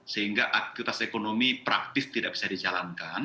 sehingga aktivitas ekonomi praktis tidak bisa dijalankan